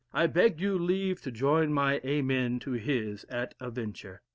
I beg leave to join my Amen to his at a venture.